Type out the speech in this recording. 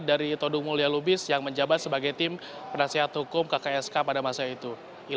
dari todung mulya lubis yang menjabat sebagai tim penasihat hukum kksk pada masa itu